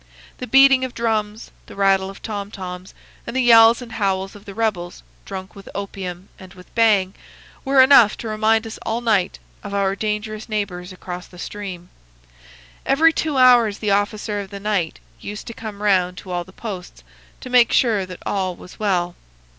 The beating of drums, the rattle of tomtoms, and the yells and howls of the rebels, drunk with opium and with bang, were enough to remind us all night of our dangerous neighbours across the stream. Every two hours the officer of the night used to come round to all the posts, to make sure that all was well.